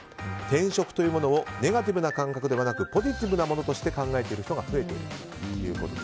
転職というものをネガティブな感覚ではなくポジティブなものとして考えている人が増えていると。